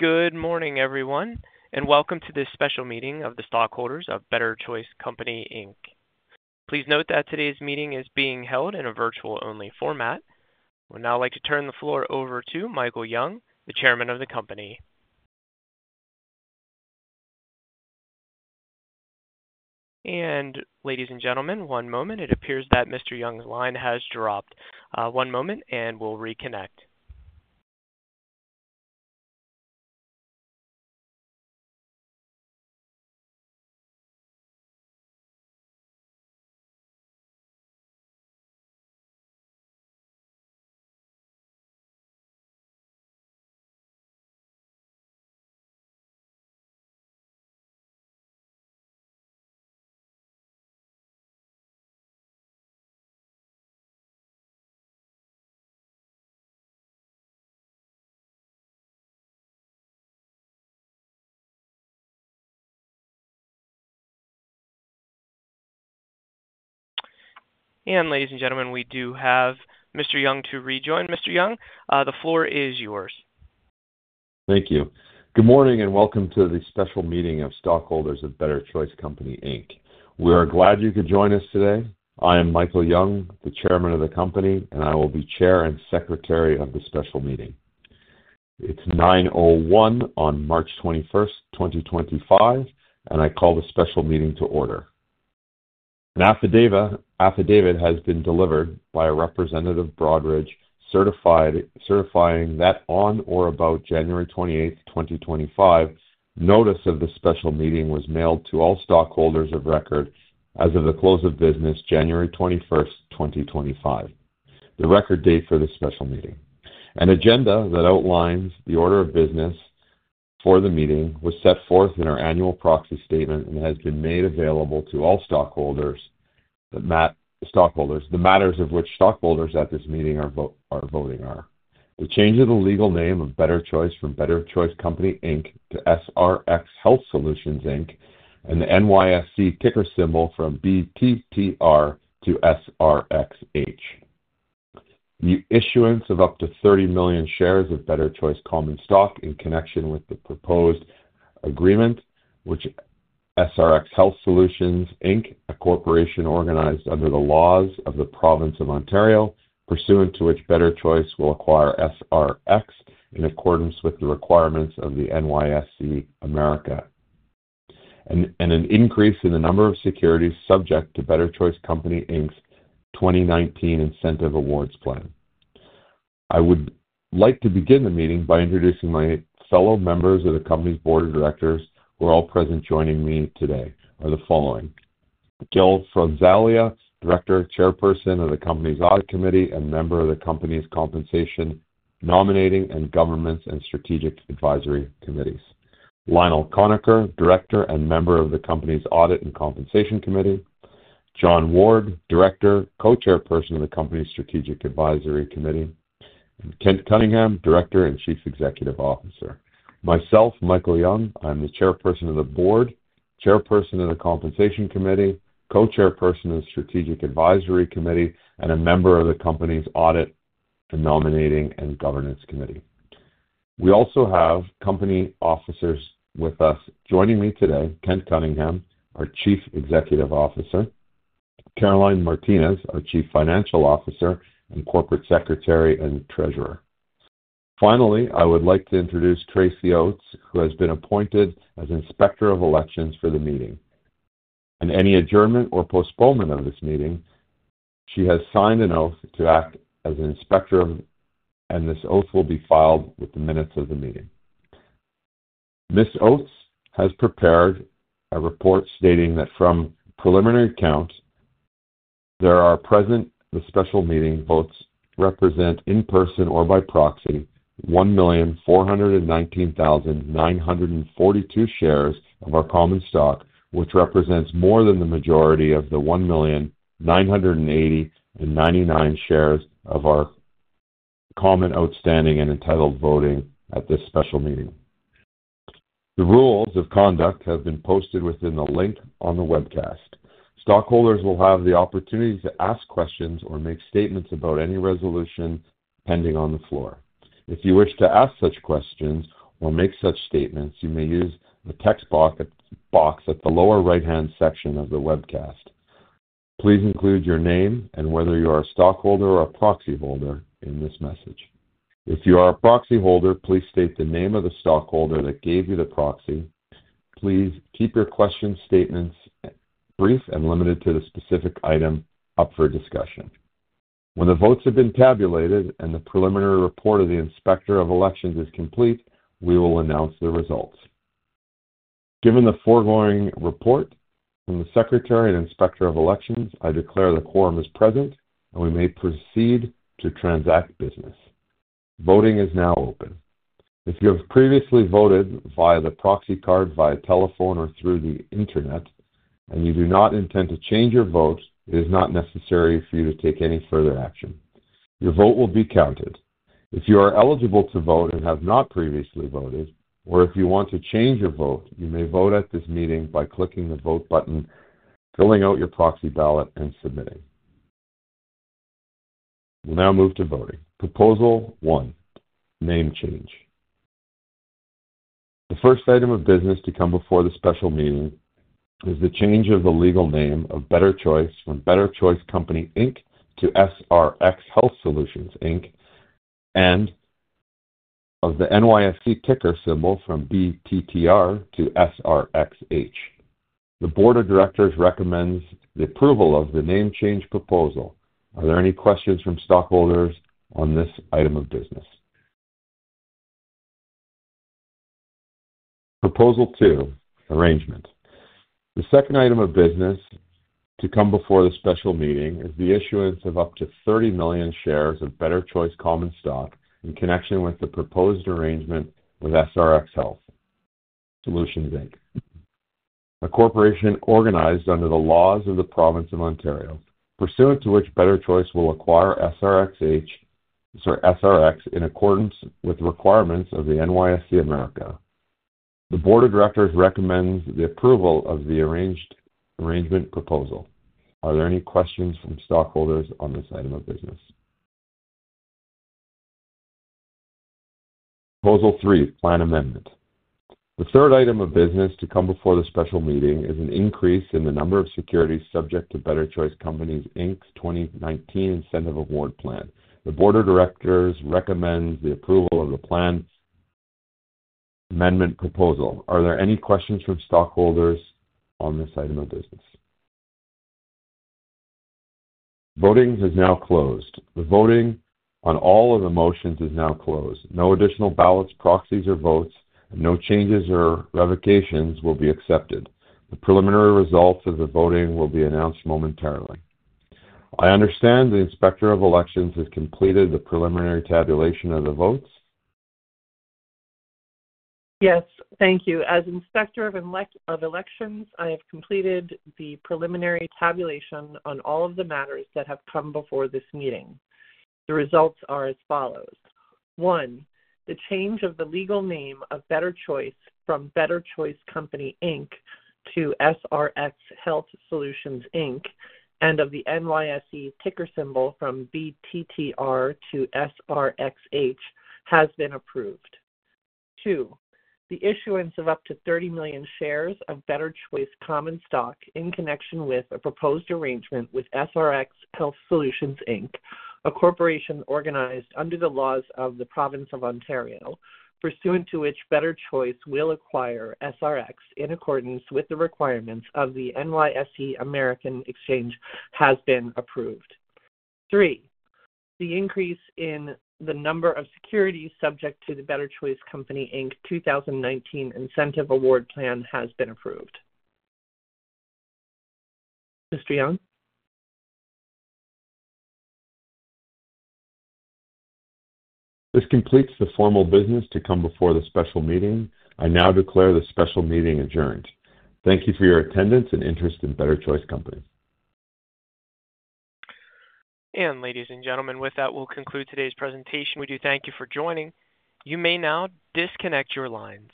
Good morning, everyone, and welcome to this special meeting of the stockholders of Better Choice Company. Please note that today's meeting is being held in a virtual-only format. I would now like to turn the floor over to Michael Young, the chairman of the company. Ladies and gentlemen, one moment. It appears that Mr. Young's line has dropped. One moment, and we'll reconnect. Ladies and gentlemen, we do have Mr. Young to rejoin. Mr. Young, the floor is yours. Thank you. Good morning and welcome to the special meeting of stockholders of Better Choice Company. We are glad you could join us today. I am Michael Young, the chairman of the company, and I will be chair and secretary of the special meeting. It's 9:01 A.M. on March 21st, 2025, and I call the special meeting to order. An affidavit has been delivered by a representative of Broadridge, certifying that on or about January 28th, 2025, notice of the special meeting was mailed to all stockholders of record as of the close of business, January 21st, 2025, the record date for the special meeting. An agenda that outlines the order of business for the meeting was set forth in our annual proxy statement and has been made available to all stockholders that matter the matters of which stockholders at this meeting are voting on. The change of the legal name of Better Choice from Better Choice Company to SRx Health Solutions, and the NYSE ticker symbol from BTTR to SRXH. The issuance of up to 30 million shares of Better Choice common stock in connection with the proposed agreement, which SRx Health Solutions, a corporation organized under the laws of the province of Ontario, pursuant to which Better Choice will acquire SRx in accordance with the requirements of the NYSE American, and an increase in the number of securities subject to Better Choice Company's 2019 Incentive Awards Plan. I would like to begin the meeting by introducing my fellow members of the company's board of directors, who are all present joining me today, or the following: Gill Fronzalia, director, chairperson of the company's audit committee and member of the company's compensation, nominating, and governance and strategic advisory committees; Lionel Conacher, director and member of the company's audit and compensation committee; John Word, director, co-chairperson of the company's strategic advisory committee; and Kent Cunningham, director and chief executive officer. Myself, Michael Young, I'm the chairperson of the board, chairperson of the compensation committee, co-chairperson of the strategic advisory committee, and a member of the company's audit, the nominating, and governance committee. We also have company officers with us joining me today: Kent Cunningham, our chief executive officer; Caroline Martinez, our chief financial officer and corporate secretary and treasurer. Finally, I would like to introduce Tracy Oates, who has been appointed as Inspector of Elections for the meeting. In any adjournment or postponement of this meeting, she has signed an oath to act as an inspector, and this oath will be filed with the minutes of the meeting. Ms. Oates has prepared a report stating that from preliminary count, there are present the special meeting votes represent in person or by proxy 1,419,942 shares of our common stock, which represents more than the majority of the 1,980,099 shares of our common outstanding and entitled voting at this special meeting. The rules of conduct have been posted within the link on the webcast. Stockholders will have the opportunity to ask questions or make statements about any resolution pending on the floor. If you wish to ask such questions or make such statements, you may use the text box at the lower right-hand section of the webcast. Please include your name and whether you are a stockholder or a proxy holder in this message. If you are a proxy holder, please state the name of the stockholder that gave you the proxy. Please keep your questions, statements brief and limited to the specific item up for discussion. When the votes have been tabulated and the preliminary report of the inspector of elections is complete, we will announce the results. Given the foregoing report from the secretary and inspector of elections, I declare the quorum is present, and we may proceed to transact business. Voting is now open. If you have previously voted via the proxy card, via telephone, or through the internet, and you do not intend to change your vote, it is not necessary for you to take any further action. Your vote will be counted. If you are eligible to vote and have not previously voted, or if you want to change your vote, you may vote at this meeting by clicking the vote button, filling out your proxy ballot, and submitting. We'll now move to voting. Proposal one, name change. The first item of business to come before the special meeting is the change of the legal name of Better Choice Company to SRx Health Solutions, and of the NYSE ticker symbol from BTTR to SRXH. The board of directors recommends the approval of the name change proposal. Are there any questions from stockholders on this item of business? Proposal two, arrangement. The second item of business to come before the special meeting is the issuance of up to 30 million shares of Better Choice common stock in connection with the proposed arrangement with SRx Health Solutions, a corporation organized under the laws of the province of Ontario, pursuant to which Better Choice will acquire SRx in accordance with the requirements of the NYSE American. The board of directors recommends the approval of the arrangement proposal. Are there any questions from stockholders on this item of business? Proposal three, plan amendment. The third item of business to come before the special meeting is an increase in the number of securities subject to Better Choice Company, 2019 Incentive Awards Plan. The board of directors recommends the approval of the plan amendment proposal. Are there any questions from stockholders on this item of business? Voting has now closed. The voting on all of the motions is now closed. No additional ballots, proxies, or votes, and no changes or revocations will be accepted. The preliminary results of the voting will be announced momentarily. I understand the inspector of elections has completed the preliminary tabulation of the votes. Yes, thank you. As Inspector of Elections, I have completed the preliminary tabulation on all of the matters that have come before this meeting. The results are as follows. One, the change of the legal name of Better Choice from Better Choice Company to SRx Health Solutions, and of the NYSE ticker symbol from BTTR to SRXH has been approved. Two, the issuance of up to 30 million shares of Better Choice common stock in connection with a proposed arrangement with SRx Health Solutions, a corporation organized under the laws of the province of Ontario, pursuant to which Better Choice will acquire SRx in accordance with the requirements of the NYSE American exchange has been approved. Three, the increase in the number of securities subject to the Better Choice Company 2019 Incentive Awards Plan has been approved. Mr. Young? This completes the formal business to come before the special meeting. I now declare the special meeting adjourned. Thank you for your attendance and interest in Better Choice Company. Ladies and gentlemen, with that, we'll conclude today's presentation. We do thank you for joining. You may now disconnect your lines.